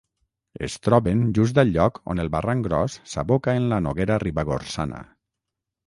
Es troben just al lloc on el barranc Gros s'aboca en la Noguera Ribagorçana.